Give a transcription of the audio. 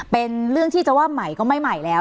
เป็นเรื่องที่จะว่าใหม่ก็ไม่ใหม่แล้ว